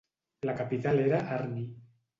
La capital era Arni.